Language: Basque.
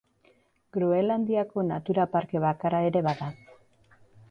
Groenlandiako natura parke bakarra ere bada.